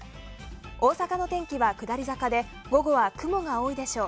大阪の天気は下り坂で午後は雲が多いでしょう。